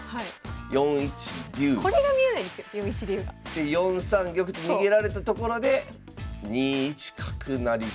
で４三玉と逃げられたところで２一角成と。